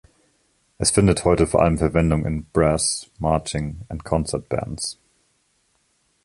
Es findet heute vor allem Verwendung in Brass-, Marching- und Concert-Bands.